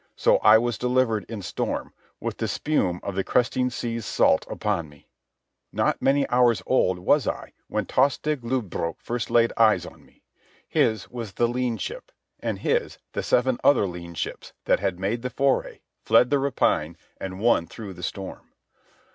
So I was delivered in storm, with the spume of the cresting seas salt upon me. Not many hours old was I when Tostig Lodbrog first laid eyes on me. His was the lean ship, and his the seven other lean ships that had made the foray, fled the rapine, and won through the storm.